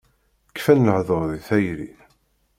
Kfan lehduṛ di tayri.